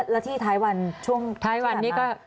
แล้วที่ไทยวันช่วงที่หันมา